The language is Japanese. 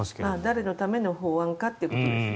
誰のための法案かということですよね。